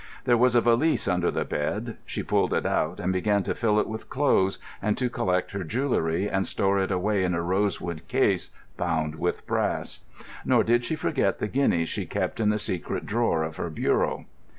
There was a valise under the bed. She pulled it out, and began to fill it with clothes, and to collect her jewellery and store it away in a rosewood case bound with brass. Nor did she forget the guineas she kept in the secret drawer of her bureau.